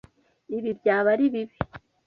Ibi byaba ari bibi.